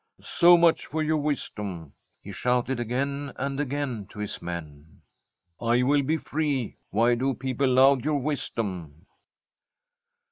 *" So much for your wisdom," he shouted again and again to his men. '* I will be free. Why do people laud your wisdom